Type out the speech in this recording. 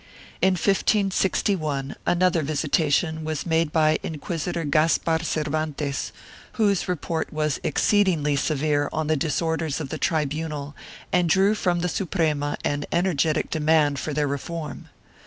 2 In 1561 another visitation was made by Inquisi tor Gaspar Cervantes, whose report was exceedingly severe on the disorders of the tribunal and drew from the Suprema an energetic demand for their reform.